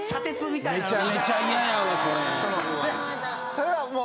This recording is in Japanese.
それはもう。